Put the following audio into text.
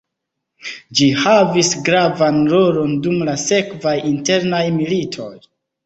Ĝi havis gravan rolon dum la sekvaj internaj militoj.